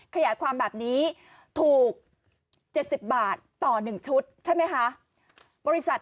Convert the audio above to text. ขยายความแบบนี้ถูกเจ็ดสิบบาทต่อหนึ่งชุดใช่ไหมฮะบริษัท